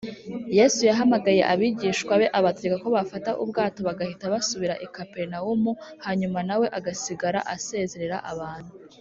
yesu yahamagaye abigishwa be, abategeka ko bafata ubwato bagahita basubira i kaperinawumu, hanyuma na we agasigara asezerera abantu